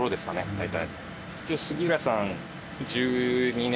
大体。